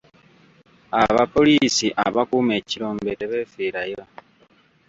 Abapoliisi abakuuma ekirombe tebeefiirayo.